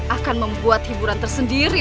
akan membuat hiburan tersendiri